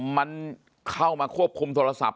มันเข้ามาควบคุมโทรศัพท์